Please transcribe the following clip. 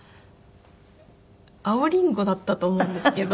青リンゴだったと思うんですけど。